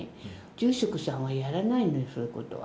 住職さんはやらないのよ、そういうことは。